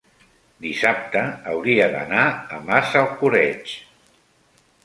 dissabte hauria d'anar a Massalcoreig.